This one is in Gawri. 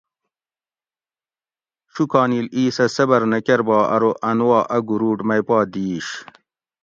شوکانیل ایسۂ صبر نہ کربا ارو ان وا اۤ گوروٹ مئ پا دیش